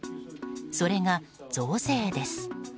それが、増税です。